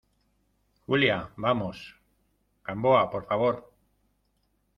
Julia, vamos. Gamboa , por favor .